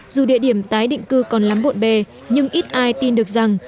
dù địa điểm tái định cư còn lắm bộn bề nhưng ít ai tin được rằng